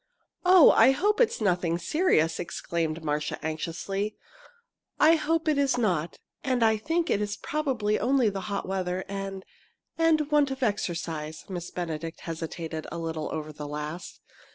"Oh, I hope it's nothing serious!" exclaimed Marcia, anxiously. "I hope it is not and I think it is probably only the hot weather and and want of exercise." Miss Benedict hesitated a little over the last.